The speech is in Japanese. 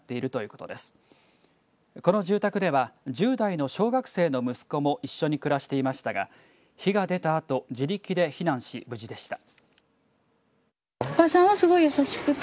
この住宅では１０代の小学生の息子も一緒に暮らしていましたが火が出たあと自力で避難し無事でした。